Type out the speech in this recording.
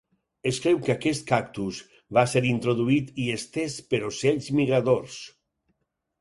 Es creu que aquest cactus va ser introduït i estès per ocells migradors.